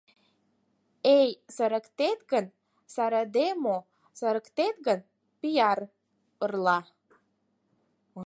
Эй, сырыктет гын, сырыде мо; сырыктет гын, пият ырла.